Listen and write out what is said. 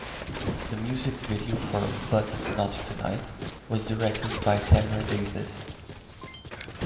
The music video for "But Not Tonight" was directed by Tamra Davis.